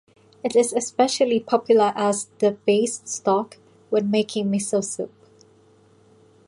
It is especially popular as the base stock when making miso soup.